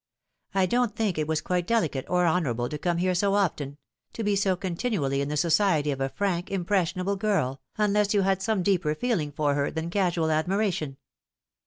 I don't think it was quite delicate or honourable to come here so often, to be so continually in the society of a frauk, impressionable girl, unless you had some deeper feeling for her than casual admiration."